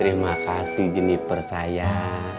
terima kasih jeniper sayang